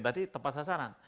tadi tepat sasaran